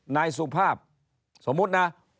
นายสุภาพสมมุตินะ